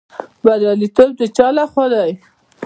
بریالیتوب د چا لخوا دی؟